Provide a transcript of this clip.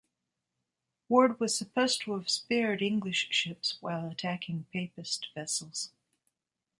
Ward was supposed to have spared English ships while attacking "papist" vessels.